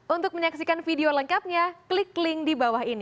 untuk menyaksikan video lengkapnya klik link di bawah ini